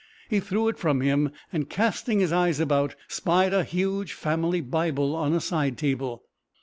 He threw it from him, and casting his eyes about, spied a huge family bible on a side table.